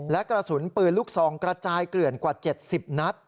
และกระสุนปืนลูกซองกระจายเกลื่อนกว่า๗๐นัด